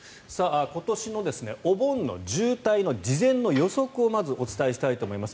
今年のお盆の渋滞の事前の予測をまずお伝えしたいと思います。